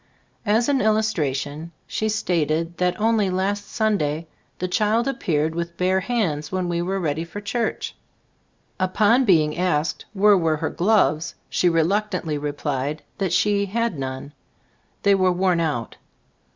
As an illus tration, she stated that only last Sun day the child appeared with bare Gbe Stone of Ag CbUMwoO "3 hands when we were ready for church. Upon being asked where were her gloves, she reluctantly replied that she "had none. They were worn out."